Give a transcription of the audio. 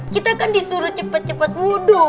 kita kan disuruh cepet cepet wudhu